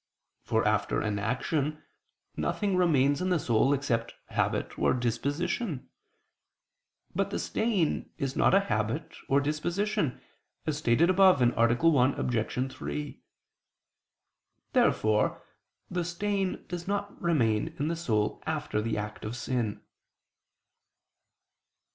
For after an action, nothing remains in the soul except habit or disposition. But the stain is not a habit or disposition, as stated above (A. 1, Obj. 3). Therefore the stain does not remain in the soul after the act of sin.